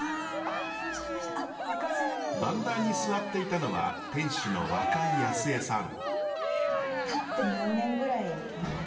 番台に座っていたのは店主の若井康江さん。